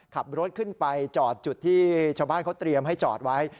ขับรถขึ้นไปจอดจุดที่ชาวบ้านเขาเตรียมให้จอดไว้